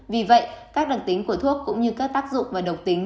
vì vậy các đặc tính của thuốc cũng như các tác dụng và độc tính